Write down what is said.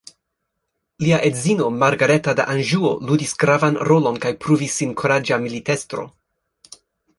Lia edzino Margareta de Anĵuo ludis gravan rolon kaj pruvis sin kuraĝa militestro.